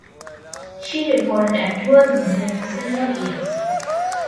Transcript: She recorded and toured with them for several years.